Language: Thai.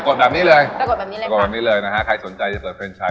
วิทยาวิทยาวิทยาวิทยา